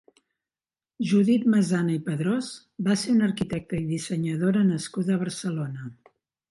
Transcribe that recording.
Judit Masana i Padrós va ser una arquitecta i dissenyadora nascuda a Barcelona.